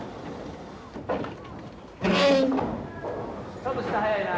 ちょっと下早いな。